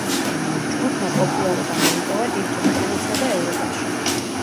ჯგუფმა პოპულარობა მოიპოვა დიდ ბრიტანეთსა და ევროპაში.